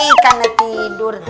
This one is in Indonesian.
ih karena tidur